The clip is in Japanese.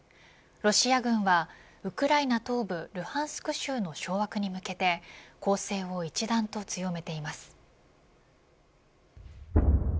ロシア軍はウクライナ東部ルハンスク州の掌握に向けて攻勢を一段と強めています。